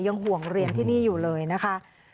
ยังห่วงเรียนที่นี่อยู่เลยนะคะ